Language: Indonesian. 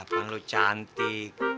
kan lu cantik